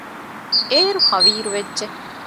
އޭރު ހަވީރުވެއްޖެ